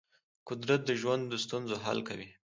قدرت د ژوند د ستونزو حل کوي.